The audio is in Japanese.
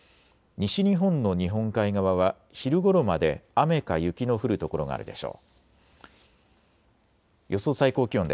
西日本の日本海側は昼ごろまで雨か雪の降る所があるでしょう。